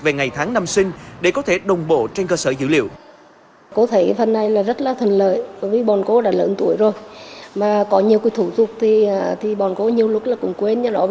về ngày tháng năm sinh để có thể đồng bộ trên cơ sở dữ liệu